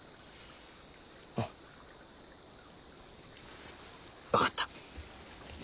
うん分かった。